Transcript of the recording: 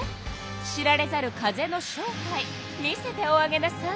知られざる風の正体見せておあげなさい。